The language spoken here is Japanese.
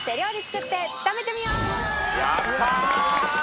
やったー！